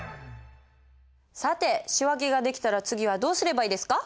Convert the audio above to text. さて仕訳ができたら次はどうすればいいですか？